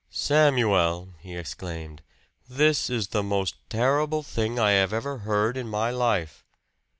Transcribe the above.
"Samuel!" he exclaimed, "this is the most terrible thing I have ever heard in my life."